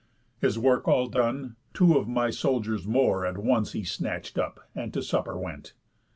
His work all done, two of my soldiers more At once he snatch'd up, and to supper went.